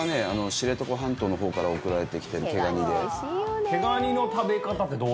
知床半島の方から送られてきてる毛ガニで。